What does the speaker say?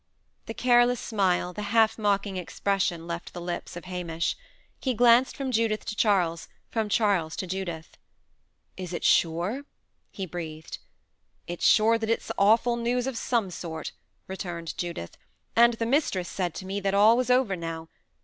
The careless smile, the half mocking, expression left the lips of Hamish. He glanced from Judith to Charles, from Charles to Judith. "Is it sure?" he breathed. "It's sure that it's awful news of some sort," returned Judith; "and the mistress said to me that all was over now.